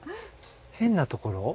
変なところ？